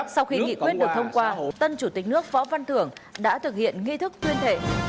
sau khi nghị quyết được thông qua tân chủ tịch nước võ văn thưởng đã thực hiện nghi thức tuyên thệ